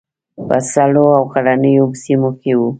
په سړو او غرنیو سیمو کې وو.